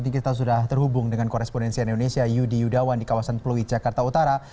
kita sudah terhubung dengan korespondensi indonesia yudi yudawan di kawasan pluit jakarta utara